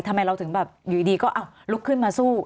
ทำไมเราถึงแบบอยู่ดีก็ลุกขึ้นมาสู้